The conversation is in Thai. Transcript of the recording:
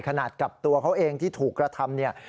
ขนาดกับตัวเขาเองที่ถูกกระทำเนี่ย